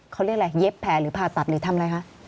เขาเรียกว่าอะไรเย็บแผลผ่าตัดทำอะไรเลยค่ะ